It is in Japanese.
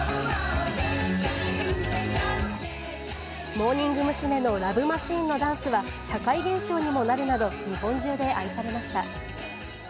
モーニング娘。の『ＬＯＶＥマシーン』のダンスは、社会現象にもなるなど、日本中で愛されました。